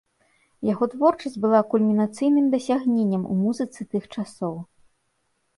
Яго творчасць была кульмінацыйным дасягненнем у музыцы тых часоў.